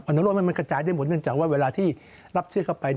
นุโรธมันกระจายได้หมดเนื่องจากว่าเวลาที่รับชื่อเข้าไป